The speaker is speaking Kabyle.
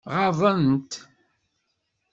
Ɣaḍen-t?